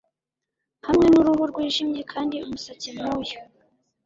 hamwe n'uruhu rwijimye kandi umusatsi nk'uyu